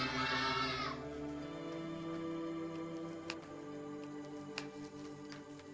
setiap senulun buat